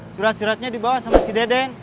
surat suratnya dibawa sama si deden